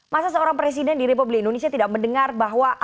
masa seorang presiden di republik indonesia tidak mendengar bahwa